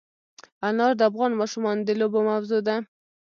انار د افغان ماشومانو د لوبو موضوع ده.